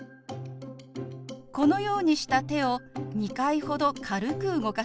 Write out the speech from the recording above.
このようにした手を２回ほど軽く動かします。